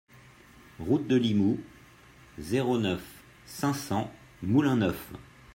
Route de Limoux, zéro neuf, cinq cents Moulin-Neuf